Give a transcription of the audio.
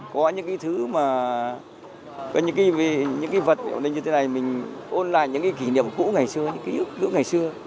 có những cái thứ mà có những cái vật như thế này mình ôn lại những kỷ niệm cũ ngày xưa những kỷ niệm cũ ngày xưa